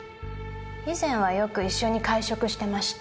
以前はよく一緒に会食してました。